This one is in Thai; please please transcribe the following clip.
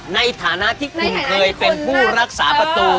ในฐานะที่คุณเคยเป็นผู้รักษาประตู